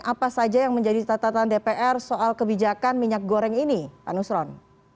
apa saja yang menjadi catatan dpr soal kebijakan minyak goreng ini pak nusron